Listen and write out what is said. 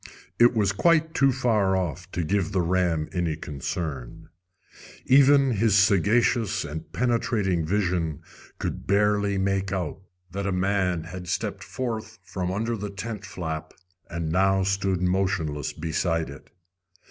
It was quite too far off to give the ram any concern. Even his sagacious and penetrating vision could barely make out that a man had stepped forth from under the tent flap and now stood motionless beside it.